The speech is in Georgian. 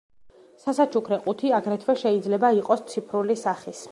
სასაჩუქრე ყუთი აგრეთვე შეიძლება იყოს ციფრული სახის.